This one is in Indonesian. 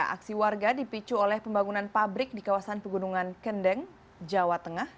aksi warga dipicu oleh pembangunan pabrik di kawasan pegunungan kendeng jawa tengah